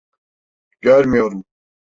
Görmüyorum.